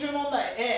Ａ